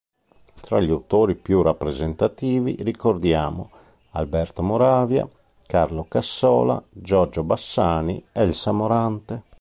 Tra gli autori più rappresentativi ricordiamo Alberto Moravia, Carlo Cassola, Giorgio Bassani, Elsa Morante.